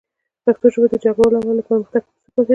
پښتو ژبه د جګړو له امله له پرمختګ وروسته پاتې ده